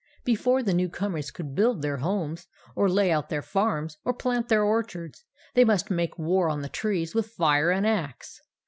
Before the new comers could build their homes, or lay out their farms, or plant their orchards, they must make war on the trees with fire and axe.